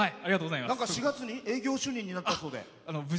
４月に営業主任になったそうで。